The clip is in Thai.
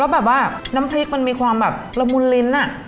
แบบว่าน้ำพริกมันมีความแบบละมุนลิ้น